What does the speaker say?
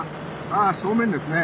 あ正面ですね。